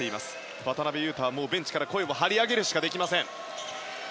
渡邊雄太は、もうベンチから声を張り上げるしかできません。